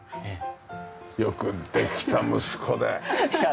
ええ。よくできた息子で。